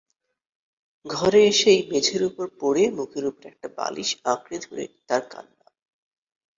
ঘরে এসেই মেঝের উপর পড়ে মুখের উপর একটা বালিশ আঁকড়ে ধরে তার কান্না।